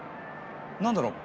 何だろう？